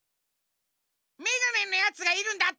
メガネのやつがいるんだって！